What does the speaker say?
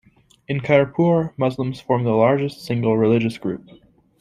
In Khairpur, Muslims form the largest single religious group.